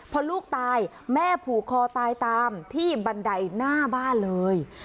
พอลูกตายแม่ผูกคอตายตามที่บันไดหน้าบ้านเลย